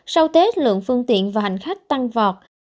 sau tết lượng phương tiện và hành khách tăng vọt